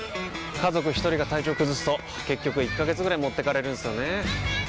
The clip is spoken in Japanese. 家族一人が体調崩すと結局１ヶ月ぐらい持ってかれるんすよねー。